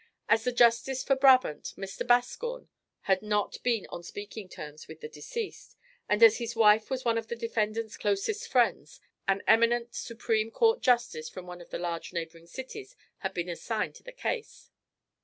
As the justice for Brabant, Mr. Bascom, had not been on speaking terms with the deceased, and as his wife was one of the defendant's closest friends, an eminent Supreme Court justice from one of the large neighbouring cities had been assigned to the case.